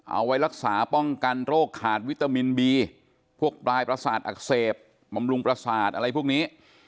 เอาไว้รักษาป้องกันโรคขาดวิตามินบีพวกปลายประสาทอักเสบบำรุงประสาทอะไรพวกนี้